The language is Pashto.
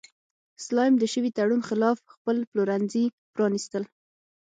سلایم د شوي تړون خلاف خپل پلورنځي پرانیستل.